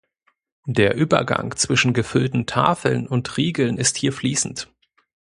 Der Übergang zwischen gefüllten Tafeln und Riegeln ist hier fließend.